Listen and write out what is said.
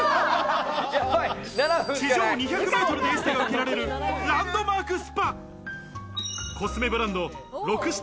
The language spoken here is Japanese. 地上２００ｍでエステが受けられるランドマークスパ。